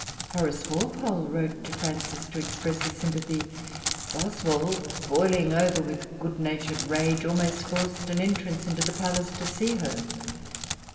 Horace Walpole wrote to Frances,[Pg 374] to express his sympathy. Boswell, boiling over with good natured rage, almost forced an entrance into the palace to see her.